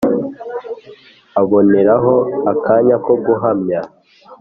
aboneraho akanya ko guhamya